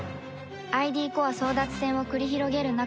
ＩＤ コア争奪戦を繰り広げる中